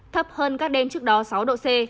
thấp hơn các đêm trước đó sáu độ c